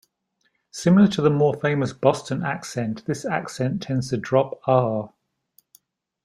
Similar to the more famous Boston accent, this accent tends to drop "r".